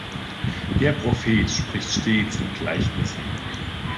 Der Prophet spricht stets in Gleichnissen.